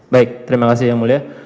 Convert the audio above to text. baik terima kasih yang mulia